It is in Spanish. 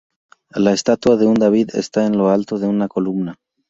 La estatua de un "David" está en lo alto de una columna.